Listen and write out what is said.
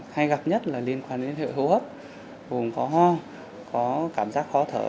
hay gặp nhất là liên quan đến hệ hô hấp vùng có ho có cảm giác khó thở